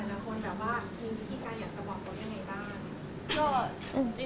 แต่ละคนแบบว่าคุณพิธีการอยากจะบอกตัวอย่างไรบ้าง